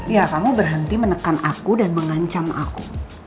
ya kamu berhenti menekan aku dan mengancam aku